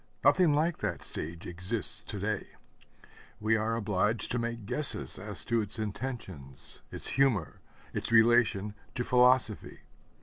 Nothing like that stage exists to day. We are obliged to make guesses as to its intentions, its humor, its relation to philosophy.